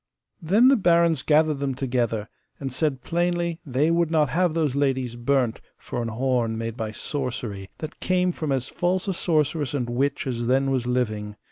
Then the barons gathered them together, and said plainly they would not have those ladies burnt for an horn made by sorcery, that came from as false a sorceress and witch as then was living.